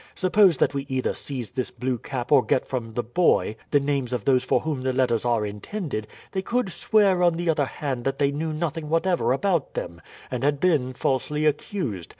Suppose that we either seize this Blue Cap or get from the boy the names of those for whom the letters are intended, they could swear on the other hand that they knew nothing whatever about them, and had been falsely accused.